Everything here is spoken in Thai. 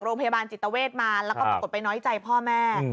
โรงพยาบาลจิตเวทมาแล้วก็ปรากฏไปน้อยใจพ่อแม่